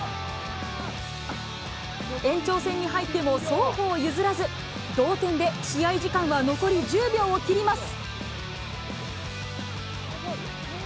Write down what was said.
延長戦に入っても、双方譲らず、同点で試合時間は残り１０秒を切ります。